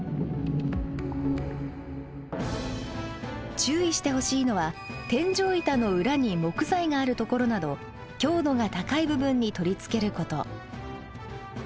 注意してほしいのは天井板の裏に木材があるところなど強度が高い部分に取り付けること。